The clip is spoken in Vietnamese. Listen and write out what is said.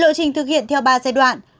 lựa chình thực hiện theo ba giai đoạn